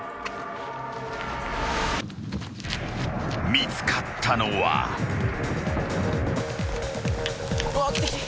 ［見つかったのは］来た来た。